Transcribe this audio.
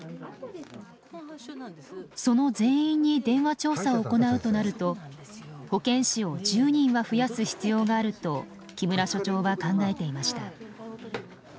その全員に電話調査を行うとなると保健師を１０人は増やす必要があると木村所長は考えていました。